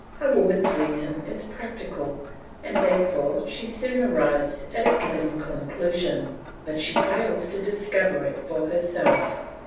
A woman's reason is practical, and therefore she soon arrives at a given conclusion, but she fails to discover it for herself.